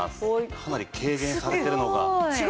かなり軽減されているのが。